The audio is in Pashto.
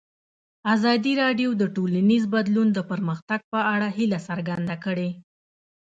ازادي راډیو د ټولنیز بدلون د پرمختګ په اړه هیله څرګنده کړې.